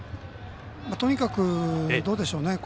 とにかく、どうでしょうね。